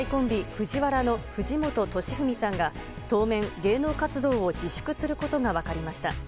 ＦＵＪＩＷＡＲＡの藤本敏史さんが当面、芸能活動を自粛することが分かりました。